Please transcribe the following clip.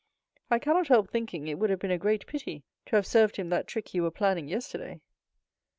I cannot help thinking it would have been a great pity to have served him that trick you were planning yesterday."